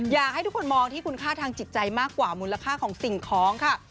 อยากให้ทุกคนมองที่คุณค่าทางจิตใจมากกว่ามูลค่าของสิ่งของค่ะ